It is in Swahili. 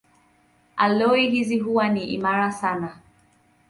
Aloi hizi huwa ni imara sana.